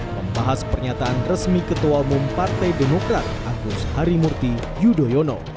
membahas pernyataan resmi ketua umum partai demokrat agus harimurti yudhoyono